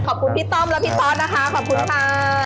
ขอบคุณพี่ต้อมและพี่ตอสนะคะขอบคุณค่ะ